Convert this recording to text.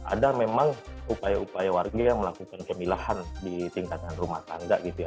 ada memang upaya upaya warga yang melakukan pemilahan di tingkatan rumah tangga gitu ya